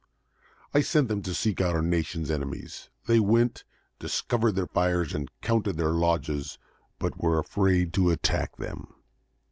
I sent them to seek our nation's enemies. They went, discovered their fires and counted their lodges, but were afraid to attack them.